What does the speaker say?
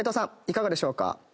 いかがでしょうか？